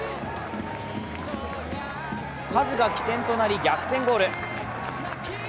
カズが起点となり逆転ゴール。